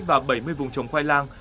và bảy mươi vùng trồng khoai lang